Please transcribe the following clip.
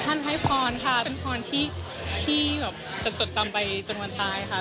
ฉันให้พรค่ะเป็นพรที่ถือจดจำไปจนวันตายคะ